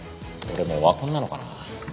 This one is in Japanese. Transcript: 俺もうオワコンなのかな。